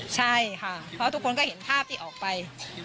ใช่ค่ะเพราะทุกคนก็เห็นภาพที่ออกไป